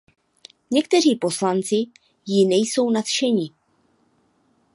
Někteří poslanci jí nejsou nadšeni.